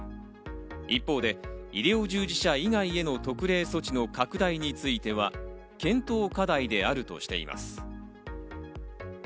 一方で医療従事者以外への特例措置の拡大については、検討課題であるとしています。